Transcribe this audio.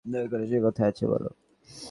দয়া করে সে কোথায় আছে বলো।